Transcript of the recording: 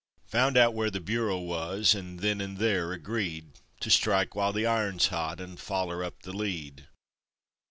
Found out where the Bureau wus, and then and there agreed To strike while the iron's hot, and foller up the lead.